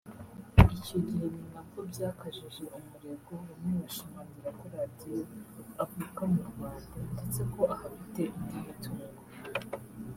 Icyo gihe ni nabwo byakajije umurego bamwe bashimangira ko ‘Radio avuka mu Rwanda’ ndetse ko ahafite indi mitungo